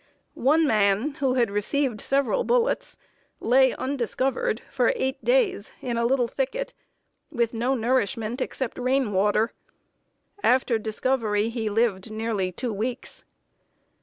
One man, who had received several bullets, lay undiscovered for eight days in a little thicket, with no nourishment except rain water. After discovery he lived nearly two weeks.